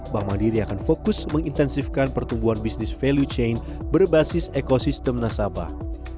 bank mandiri akan fokus mengintensifkan pertumbuhan bisnis value chain berbasis ekosistem nasabah